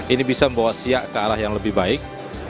ini bisa membawa siak ke arah yang lebih baik